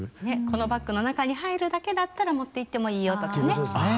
「このバッグの中に入るだけだったら持っていってもいいよ」とかね。